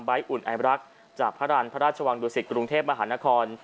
ใบท์อุ่นอายรักษ์จากภรรณพระราชวังดุสิทธิ์กรุงเทพฯมหานคร